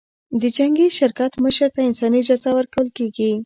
د جنګي شرکت مشر ته انساني جایزه ورکول کېږي.